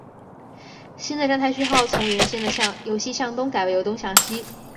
新的站台序号从原先的由西向东改为由东向西。